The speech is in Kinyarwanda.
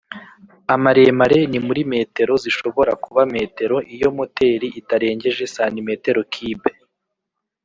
amaremare ni muri m zishobora kuba m iyo moteri itarengeje cm kibe